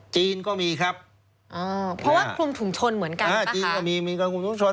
จีนก็มีครับอ่าเพราะว่ากลุ่มถุงชนเหมือนกันอ่าจีนก็มีมีการคุมถุงชน